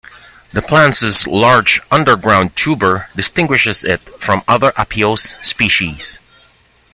The plant's large underground tuber distinguishes it from other "Apios" species.